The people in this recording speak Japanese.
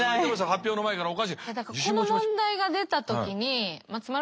発表の前からおかしい。